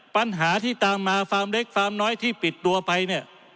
ปัญหาที่ตามมาฟาร์มเล็กฟาร์มน้อยที่ปิดตัวไปเนี่ย